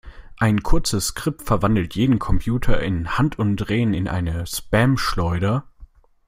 Ein kurzes Skript verwandelt jeden Computer im Handumdrehen in eine Spamschleuder.